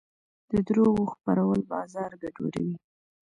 د دروغو خپرول بازار ګډوډوي.